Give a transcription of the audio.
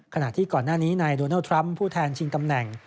ขณะที่ก่อนหน้านี้นายโดนัลดทรัมป์ผู้แทนชิงตำแหน่ง